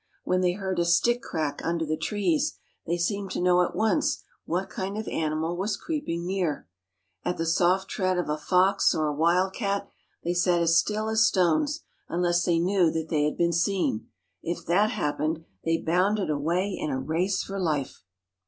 When they heard a stick crack under the trees they seemed to know at once what kind of animal was creeping near. At the soft tread of a fox or a wild cat they sat as still as stones, unless they knew that they had been seen. If that happened they bounded away in a race for life.